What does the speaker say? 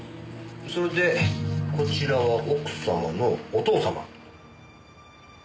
それでこちらは奥様のお父様。